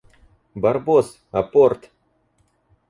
Барбос, апорт!